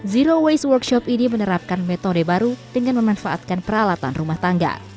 zero waste workshop ini menerapkan metode baru dengan memanfaatkan peralatan rumah tangga